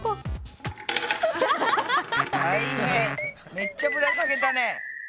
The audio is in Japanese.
めっちゃぶら下げたね。